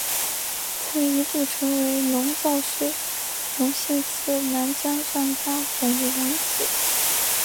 曾一度成为龙造寺隆信次男江上家种的养子。